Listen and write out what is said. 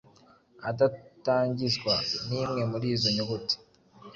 adatangizwa n’imwe muri izo nyuguti.